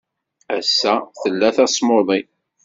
Ass-a tella tasmuḍi.